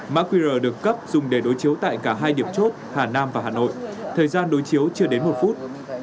mã qr được cấp dùng để đối chiếu tại cả hai điểm chốt hà nam và hà nội thời gian đối chiếu chưa đến một phút